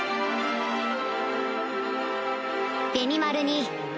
ベニマルに